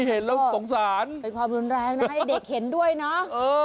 เออเป็นความรุนแรงนะให้เด็กเห็นด้วยเนอะเออ